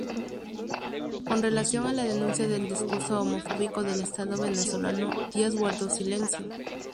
Con relación a la denuncia del discurso homofóbico del estado venezolano, Díaz guardó silencio.